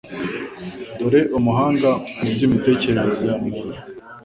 dore Umuhanga mu by'imitekerereze ya muntu,